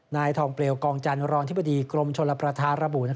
นายทองเปลวกองจันทร์รองธิบดีกรมชลประธานระบุ